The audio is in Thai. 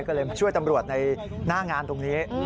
ก็เลยช่วยตำรวจในหน้างานตรงนี้